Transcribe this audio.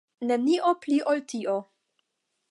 Nenio pli ol tio.